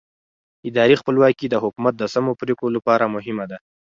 اداري خپلواکي د حکومت د سمو پرېکړو لپاره مهمه ده